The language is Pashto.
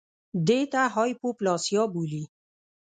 دې ته هایپوپلاسیا بولي